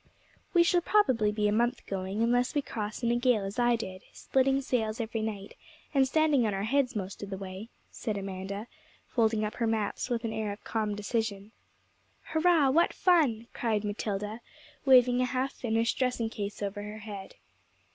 We shall probably be a month going, unless we cross in a gale as I did, splitting sails every night, and standing on our heads most of the way,' said Amanda, folding up her maps with an air of calm decision. 'Hurrah! what fun!' cried Matilda, waving a half finished dressing case over her head.